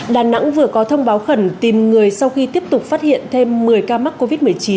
đà nẵng vừa có thông báo khẩn tìm người sau khi tiếp tục phát hiện thêm một mươi ca mắc covid một mươi chín